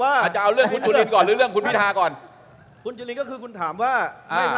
อาจจะเอาเรื่องคุณจุลินก่อนหรือเรียกคุณพิทธาก่อน